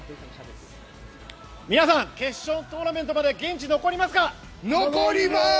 皆さん決勝トーナメントまで現地に残りますか？